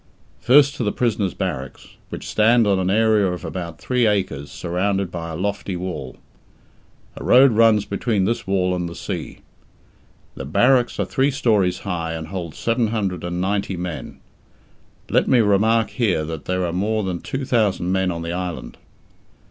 First to the prisoners' barracks, which stand on an area of about three acres, surrounded by a lofty wall. A road runs between this wall and the sea. The barracks are three storeys high, and hold seven hundred and ninety men (let me remark here that there are more than two thousand men on the island).